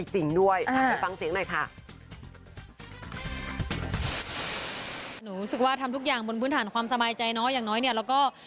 รู้สึกว่าทำทุกอย่างบนพื้นฐานความสบายใจเนาะอย่างน้อยเนี่ยแล้วก็